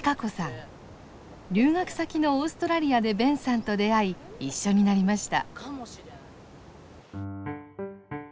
留学先のオーストラリアでベンさんと出会い一緒になりました。